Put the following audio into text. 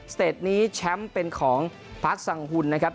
เตจนี้แชมป์เป็นของพาร์ทสังหุ่นนะครับ